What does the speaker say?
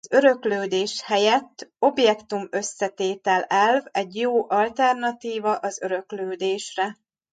Az Öröklődés helyett objektum-összetétel elv egy jó alternatíva az öröklődésre.